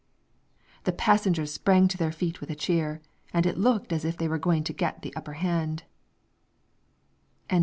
The passengers sprang to their feet with a cheer, and it looked as if they were going to get the upper hand.